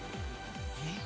えっ？